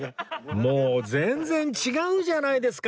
もう全然違うじゃないですか！